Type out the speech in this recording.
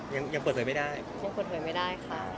ยังเปิดเผยไม่ได้ค่ะ